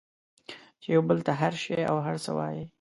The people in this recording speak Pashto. چې یو بل ته هر شی او هر څه وایئ